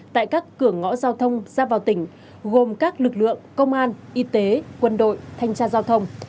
tại các cửa ngõ giao thông ra vào tỉnh gồm các lực lượng công an y tế quân đội thanh tra giao thông